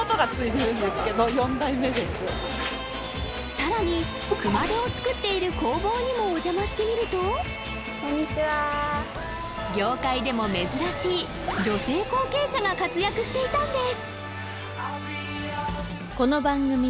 さらに熊手を作っている工房にもお邪魔してみるとこんにちは業界でも珍しい女性後継者が活躍していたんです